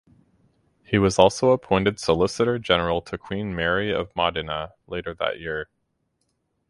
He was also appointed solicitor general to Queen Mary of Modena later that year.